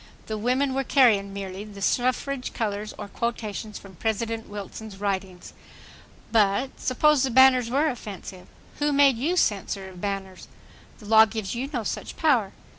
The women were carrying merely the suffrage colors or quotations from President Wilson's writings. But, suppose the banners were offensive. Who made you censor of banners? The law gives you no such power.